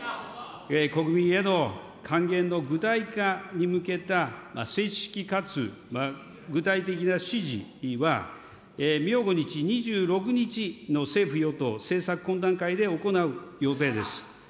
国民への還元の具体化に向けた正式かつ具体的な指示は、明後日２６日の政府与党政策懇談会で行う予定です。